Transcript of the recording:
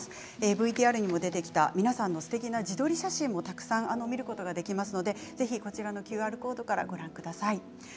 ＶＴＲにも出てきた皆さんのすてきな自撮り写真もたくさん見ることができますのでぜひこちらのＱＲコードからご覧ください。